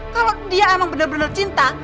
kalau dia emang bener bener cinta